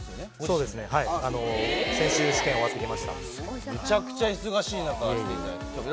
そうですね、先週、試験終わめちゃくちゃ忙しい中来ていただいて。